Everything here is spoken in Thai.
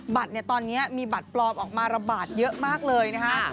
บัตรตอนนี้มีบัตรปลอมออกมาระบาดเยอะมากเลยนะคะ